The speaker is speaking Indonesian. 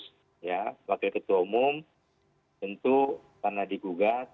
sebagai ketua umum tentu karena digugat